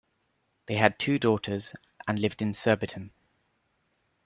They had two daughters and lived in Surbiton.